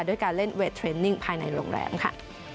ด้วยการเล่นเวทเทรนนิ่งภายในโรงแรมค่ะ